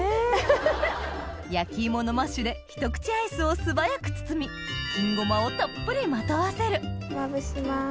焼き芋のマッシュで一口アイスを素早く包み金ごまをたっぷりまとわせるまぶします。